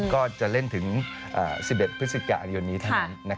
ก็จะเล่นถึง๑๑พฤศจิกายนนี้เท่านั้น